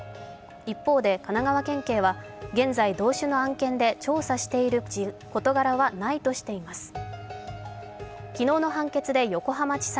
一方で神奈川県警は現在、同種の案件で調査している事柄はないとしています。